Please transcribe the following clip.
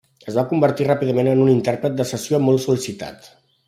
Es va convertir ràpidament en un intèrpret de sessió molt sol·licitat.